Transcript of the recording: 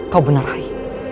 kau benar hai